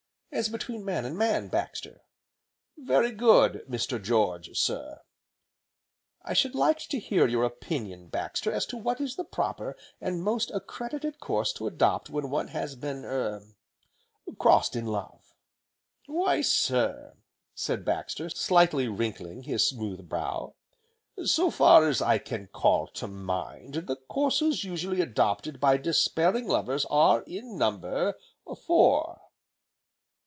"As between man and man, Baxter." "Very good, Mr. George, sir!" "I should like to hear your opinion, Baxter, as to what is the proper, and most accredited course to adopt when one has been er crossed in love?" "Why sir," began Baxter, slightly wrinkling his smooth brow, "so far as I can call to mind, the courses usually adopted by despairing lovers, are, in number, four."